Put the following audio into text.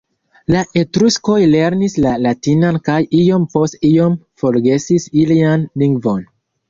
La etruskoj lernis la latinan kaj iom post iom forgesis ilian lingvon.